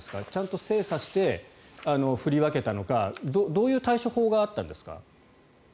ちゃんと精査して振り分けたのかどういう対処法があったんですか？